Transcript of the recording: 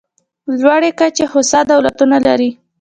لوړې کچې هوسا دولتونه لري.